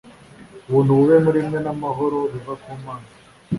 ubuntu bube muri mwe n’ amahoro biva ku mana.